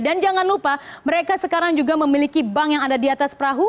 dan jangan lupa mereka sekarang juga memiliki bank yang ada di atas perahu